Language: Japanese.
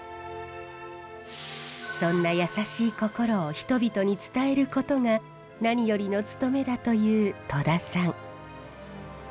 そんなやさしい心を人々に伝えることが何よりの務めだという戸田さん。